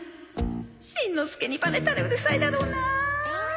しんのすけにバレたらうるさいだろうなえっ！？